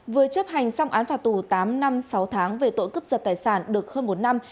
vừa chấp hành xong án phạt tù tám năm sáu tháng về tội cướp giật tài sản được hơn một năm